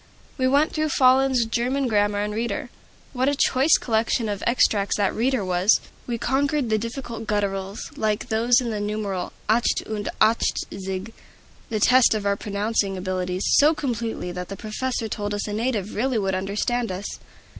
We went through Follen's German Grammar and Reader: what a choice collection of extracts that "Reader" was! We conquered the difficult gutturals, like those in the numeral "acht und achtzig" (the test of our pronouncing abilities) so completely that the professor told us a native really would understand us!